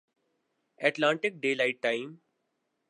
Atlantic daylight time